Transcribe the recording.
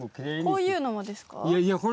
こういうのもですか？